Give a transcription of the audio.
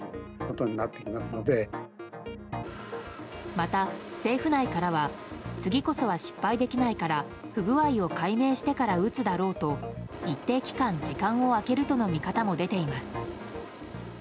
また、政府内からは次こそは失敗できないから不具合を解明してから撃つだろうと一定期間、時間を空けるとの見方も出ています。